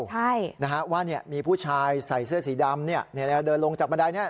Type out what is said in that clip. ใช่นะฮะว่าเนี่ยมีผู้ชายใส่เสื้อสีดำเนี่ยเดินลงจากบันไดเนี้ย